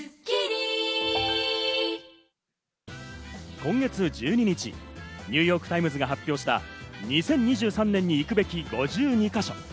今月１２日、ニューヨーク・タイムズが発表した「２０２３年に行くべき５２か所」。